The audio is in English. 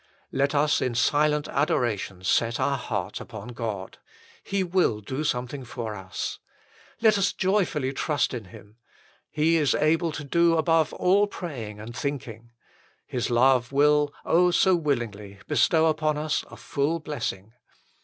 Let us in silent adoration set our heart upon God : He will do something for us. Let us joyfully trust in Him : He is able to do above all praying and thinking. His love will, so willingly, bestow upon us a full blessing.